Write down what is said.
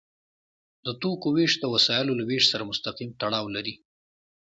د توکو ویش د وسایلو له ویش سره مستقیم تړاو لري.